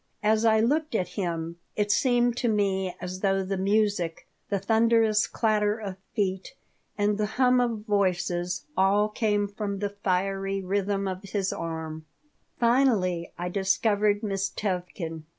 As I looked at him it seemed to me as though the music, the thunderous clatter of feet, and the hum of voices all came from the fiery rhythm of his arm Finally, I discovered Miss Tevkin.